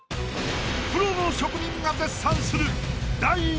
プロの職人が絶賛する。